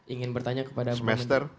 ingin bertanya kepada semester